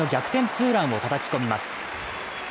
ツーランをたたき込みます。